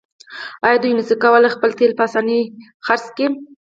آیا دوی نشي کولی خپل تیل په اسانۍ وپلوري؟